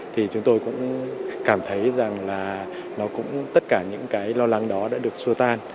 thì chúng tôi cũng cảm thấy rằng là nó cũng tất cả những cái lo lắng đó đã được xua tan